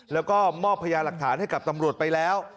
แล้วก็มอบพยาหลักฐานให้กับตำรวจไปแล้ว